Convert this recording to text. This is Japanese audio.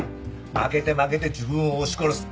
負けて負けて自分を押し殺す。